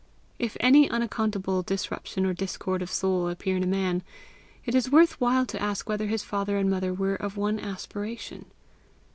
If any unaccountable disruption or discord of soul appear in a man, it is worth while to ask whether his father and mother were of one aspiration.